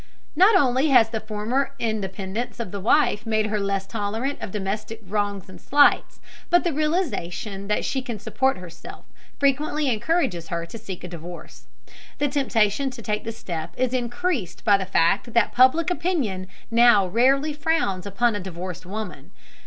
Not only has the former independence of the wife made her less tolerant of domestic wrongs and slights, but the realization that she can support herself, frequently encourages her to seek a divorce. The temptation to take this step is increased by the fact that public opinion now rarely frowns upon a divorced woman.